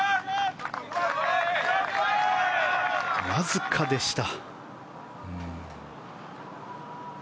わずかでした。